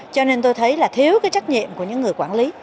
cho nên tôi thấy là thiếu cái trách nhiệm của những người quản lý